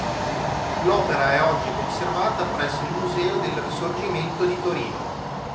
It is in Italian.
L'opera è oggi conservata presso il museo del Risorgimento di Torino.